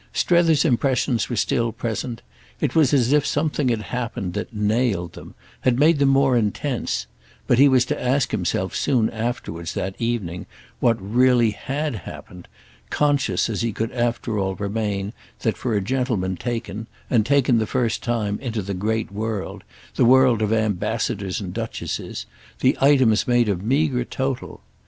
Strether's impressions were still present; it was as if something had happened that "nailed" them, made them more intense; but he was to ask himself soon afterwards, that evening, what really had happened—conscious as he could after all remain that for a gentleman taken, and taken the first time, into the "great world," the world of ambassadors and duchesses, the items made a meagre total.